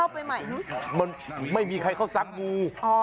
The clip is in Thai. ไม่มีใครเข้าซักงู